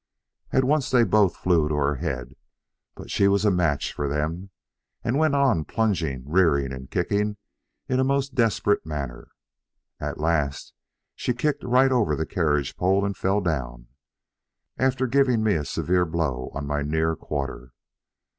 At once they both flew to her head, but she was a match for them, and went on plunging, rearing, and kicking in a most desperate manner; at last she kicked right over the carriage pole and fell down, after giving me a severe blow on my near quarter.